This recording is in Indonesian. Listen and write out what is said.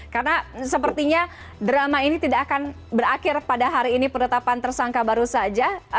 karena sepertinya drama ini tidak akan berakhir pada hari ini perletapan tersangka baru saja